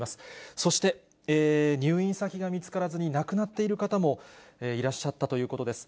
そして、入院先が見つからずに、亡くなっている方もいらっしゃったということです。